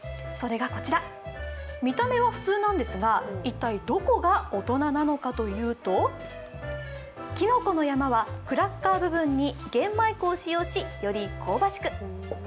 それがこちら、見た目は普通なんですが、一体どこが大人なのかというときのこの山はクラッカー部分に玄米粉を使用し、より香ばしく。